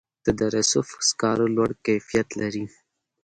د دره صوف سکاره لوړ کیفیت لري